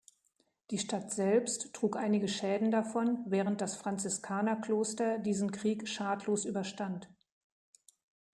Die Stadt selbst trug einige Schäden davon, während das Franziskanerkloster diesen Krieg schadlos überstand.